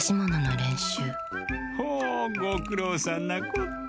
ほうごくろうさんなこって。